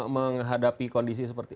menghadapi kondisi seperti